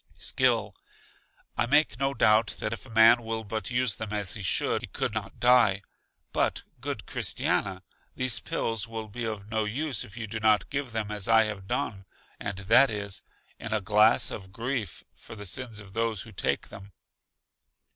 Skill: I make no doubt that if a man will but use them as he should, he could not die. But good Christiana, these pills will be of no use if you do not give them as I have done, and that is, in a glass of grief for the sins of those who take them.